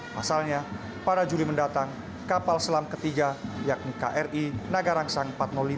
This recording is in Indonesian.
pasalnya pada juli mendatang kapal selam ketiga yakni kri nagarangsang empat ratus lima